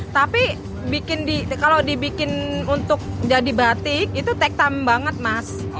tapi kalau dibikin untuk jadi batik itu take time banget mas